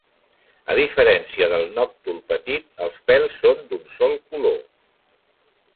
A diferència del nòctul petit, els pèls són d'un sol color.